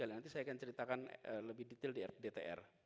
nanti saya akan ceritakan lebih detail di dpr